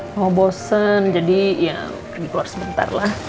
mama bosen jadi ya pergi keluar sebentar lah